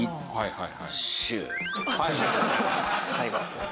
はい。